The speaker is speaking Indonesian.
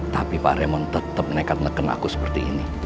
tapi pak remon tetep nekat neken aku seperti ini